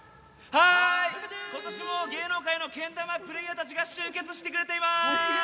今年も芸能界のけん玉プレーヤーたちが集結してくれてます。